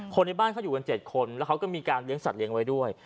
ในบ้านเขาอยู่กัน๗คนแล้วเขาก็มีการเลี้ยสัตเลี้ยงไว้ด้วย